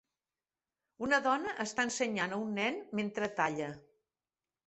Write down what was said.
Una dona està ensenyant a un nen mentre talla.